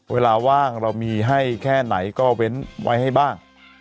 เวลาว่างเรามีให้แค่ไหนก็เว้นไว้ให้บ้าง